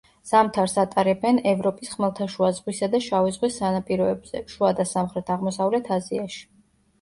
ზამთარს ატარებენ ევროპის ხმელთაშუა ზღვისა და შავი ზღვის სანაპიროებზე, შუა და სამხრეთ-აღმოსავლეთ აზიაში.